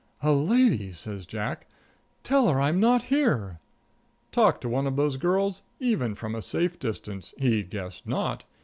"A lady!" says Jack. "Tell her I'm not here." Talk to one of those girls, even from a safe distance! He guessed not.